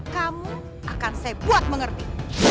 kamu akan saya buat mengerti